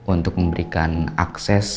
untuk memberikan akses